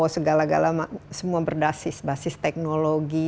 segala gala semua berbasis basis teknologi